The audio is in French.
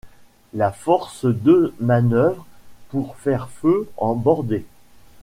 La force deux manœuvre pour faire feu en bordée.